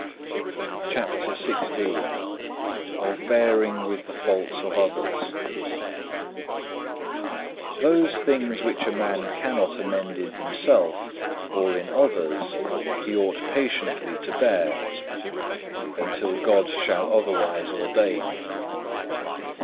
CHAPTER XVI Of bearing with the faults of others Those things which a man cannot amend in himself or in others, he ought patiently to bear, until God shall otherwise ordain.